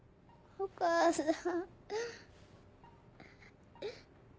お母さん。